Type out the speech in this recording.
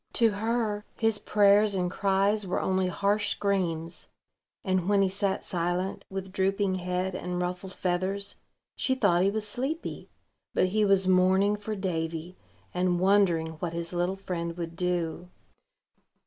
To her, his prayers and cries were only harsh screams; and, when he sat silent, with drooping head and ruffled feathers, she thought he was sleepy: but he was mourning for Davy, and wondering what his little friend would do.